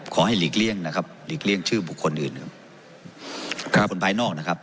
ขอให้หลีกเลี่ยงนะครับหลีกเลี่ยงชื่อบุคคลอื่นนะครับ